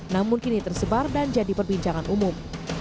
namun kini tersebar dan jadi perbincangan umum